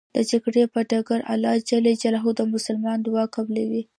د جګړې په ډګر الله ج د مسلمان دعا قبلوی .